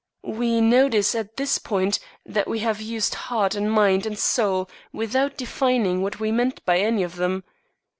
We notice at this point that we have used heart and mind and soul without defining what we meant by any of them.